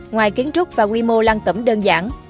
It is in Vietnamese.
ngoài kiến trúc và quy mô lăng tẩm đơn giản